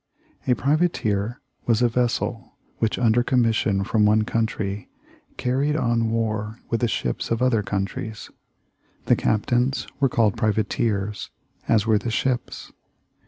A privateer was a vessel which under commission from one country, carried on war with the ships of other countries. The captains were called privateers, as were the ships.